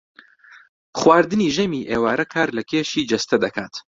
خواردنی ژەمی ئێوارە کار لە کێشی جەستە دەکات